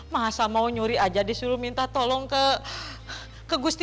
masa mau nyuri aja disuruh minta tolong ke gusti